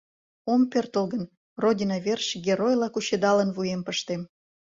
Ом пӧртыл гын, Родина верч, геройла кучедалын, вуем пыштем.